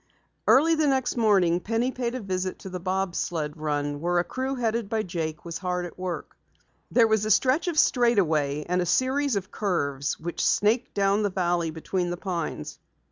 Early the next morning Penny paid a visit to the bob sled run where a crew headed by Jake was hard at work. There was a stretch of straightaway and a series of curves which snaked down the valley between the pines.